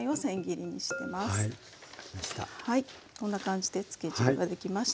こんな感じでつけ汁が出来ました。